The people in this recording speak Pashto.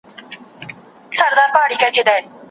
ته به په راتلونکي کي د خلکو له ستاینو څخه ډېر مغروره سې.